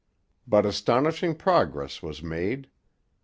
But astonishing progress was made.